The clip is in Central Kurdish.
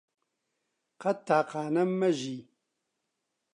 قەت تاقانە مەژی